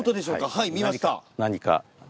はい見ました。